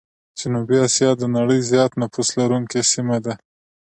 جنوبي آسيا د نړۍ زيات نفوس لرونکي سيمه ده.